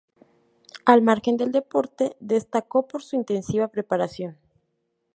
Al margen del deporte, destacó por su intensiva preparación.